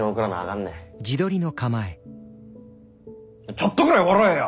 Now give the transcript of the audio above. ちょっとぐらい笑えや！